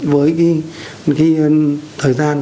với cái thời gian